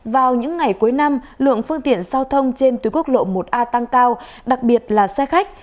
vào những ngày cuối năm lượng phương tiện giao thông trên tuyến quốc lộ một a tăng cao đặc biệt là xe khách